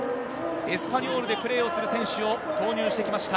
エスパニョールでプレーをする選手を投入してきました。